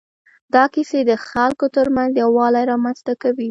دا کیسې د خلکو تر منځ یووالی رامنځ ته کوي.